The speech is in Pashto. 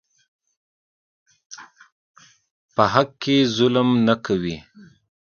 په حق کې ظلم نه کوي.